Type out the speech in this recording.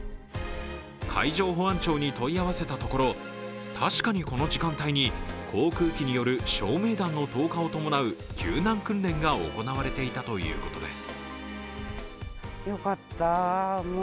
海上保安庁に問い合わせたところ、確かにこの時間帯に航空機による照明弾の投下を伴う救難訓練が行われていたということです。